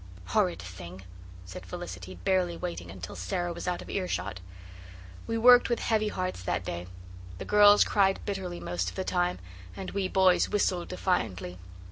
"Horrid thing!" said Felicity, barely waiting until Sara was out of earshot. We worked with heavy hearts that day; the girls cried bitterly most of the time and we boys whistled defiantly.